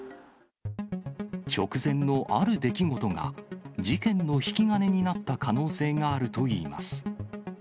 直前のある出来事が、事件の引き金になった可能性があるといいます。